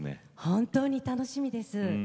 本当に楽しみです。